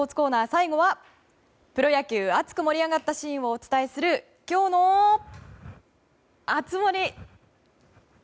最後はプロ野球熱く盛り上がったシーンをお伝えする今日の熱盛！